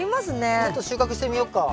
ちょっと収穫してみようか。